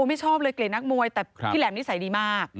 ไม่ชอบเลยเกลียดนักมวยแต่พี่แหลมนิสัยดีมาก